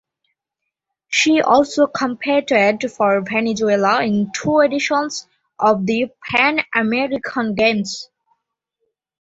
She also competed for Venezuela in two editions of the Pan American Games.